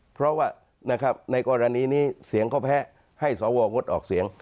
เพราะว่าในกรณีนี้เสียงเขาแพ้ให้สวงดออกเสียง